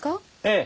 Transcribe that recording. ええ。